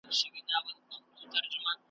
نه زمریو نه پړانګانو سوای نیولای `